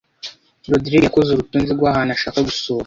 Rogride yakoze urutonde rwahantu ashaka gusura.